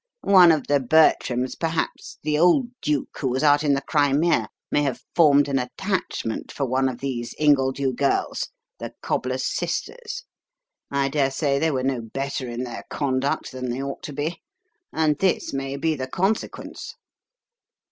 One of the Bertrams, perhaps the old duke who was out in the Crimea, may have formed an attachment for one of these Ingledew girls the cobbler's sisters: I dare say they were no better in their conduct than they ought to be and this may be the consequence."